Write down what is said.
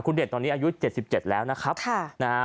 คุณเด่นตอนนี้อายุ๗๗แล้วนะครับนะฮะ